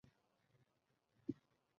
ওর বাসার ঠিকানা আছে তোমার কাছে?